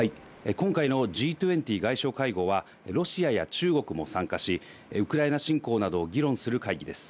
今回のＧ２０外相会合はロシアや中国も参加し、ウクライナ侵攻などを議論する会議です。